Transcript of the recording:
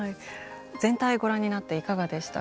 全体ご覧になっていかがでしたか？